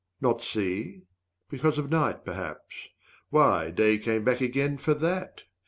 Not see? because of night perhaps? why, day Came back again for that!